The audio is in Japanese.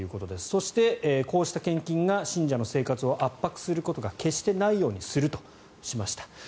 そして、こうした献金が信者の生活を圧迫することが決してないようにするとしました。